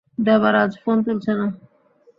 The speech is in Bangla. দেবারাজ ফোন তুলছে না।